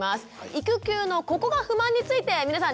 育休の「ここが不満」について皆さん